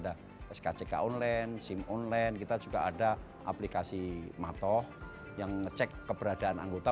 ada skck online sim online kita juga ada aplikasi matoh yang ngecek keberadaan anggota